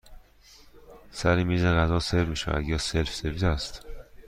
سر میز غذا سرو می شود یا سلف سرویس هست؟